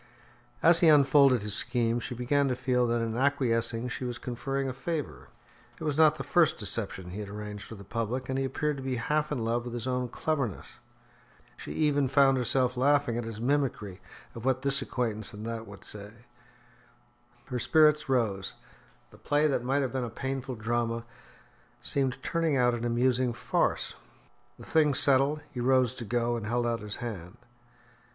As he unfolded his scheme, she began to feel that in acquiescing she was conferring a favour. It was not the first deception he had arranged for the public, and he appeared to be half in love with his own cleverness. She even found herself laughing at his mimicry of what this acquaintance and that would say. Her spirits rose; the play that might have been a painful drama seemed turning out an amusing farce. The thing settled, he rose to go, and held out his hand.